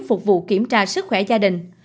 phục vụ kiểm tra sức khỏe gia đình